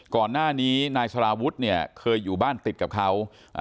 ก่อนหน้านี้นายสารวุฒิเนี่ยเคยอยู่บ้านติดกับเขา